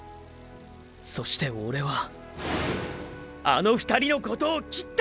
そしてオレはーーあの２人のことを切った！！